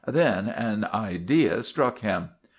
Then an idea struck him.